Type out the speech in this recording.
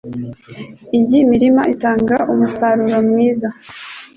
Iyi mirima itanga umusaruro mwiza (sctld)